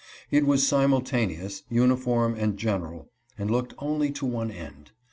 It was simultaneous, uniform, and general, and looked only to one end.